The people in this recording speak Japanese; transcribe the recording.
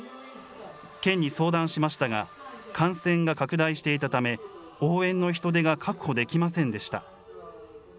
県に相談しましたが、感染が拡大していたため、応援の人手が確保できませんでした。